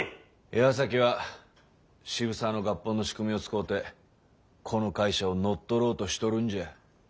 岩崎は渋沢の合本の仕組みを使うてこの会社を乗っ取ろうとしとるんじゃ。